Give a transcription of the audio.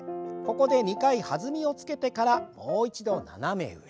ここで２回弾みをつけてからもう一度斜め上。